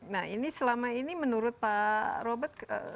nah ini selama ini menurut pak robert